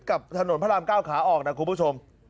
กับถนนพระรามเก้าขาออกนะครับคุณผู้ชม